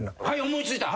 思い付いた。